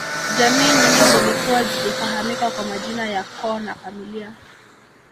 Jamii nyingi zilikuwa zikifahamika kwa majina ya Koo na familia